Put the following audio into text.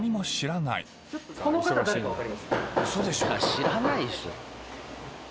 知らないっしょ。